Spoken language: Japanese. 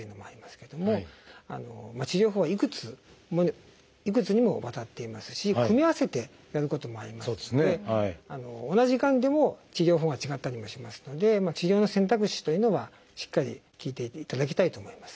けども治療法はいくつにもわたっていますし組み合わせてやることもありますので同じがんでも治療法が違ったりもしますので治療の選択肢というのはしっかり聞いていっていただきたいと思いますね。